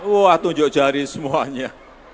wah tunjuk jari semuanya